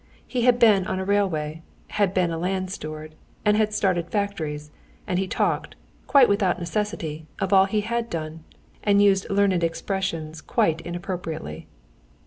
He had been on a railway, had been a land steward, and had started factories, and he talked, quite without necessity, of all he had done, and used learned expressions quite inappropriately.